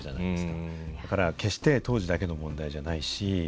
だから決して当時だけの問題じゃないし